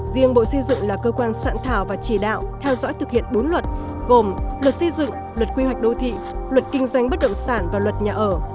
riêng bộ xây dựng là cơ quan soạn thảo và chỉ đạo theo dõi thực hiện bốn luật gồm luật xây dựng luật quy hoạch đô thị luật kinh doanh bất động sản và luật nhà ở